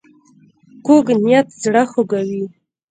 کوږ نیت زړه خوږوي